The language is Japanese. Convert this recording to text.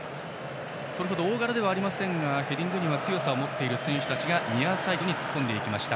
それほど大柄ではないですがヘディングに強さを持つ選手たちがニアサイドに突っ込んでいきました。